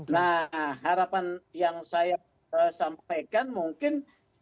nah harapan yang saya sampaikan mungkin